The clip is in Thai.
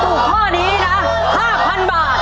ถ้าถูกข้อนี้นะ๕๐๐๐บาท